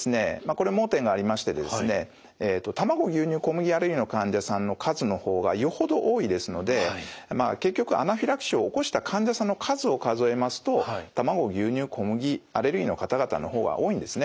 これ盲点がありまして卵牛乳小麦アレルギーの患者さんの数の方がよほど多いですので結局アナフィラキシーを起こした患者さんの数を数えますと卵牛乳小麦アレルギーの方々の方が多いんですね。